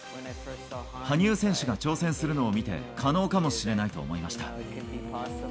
羽生選手が挑戦するのを見て、可能かもしれないと思いました。